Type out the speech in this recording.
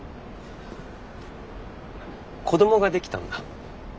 子どもができたんだ。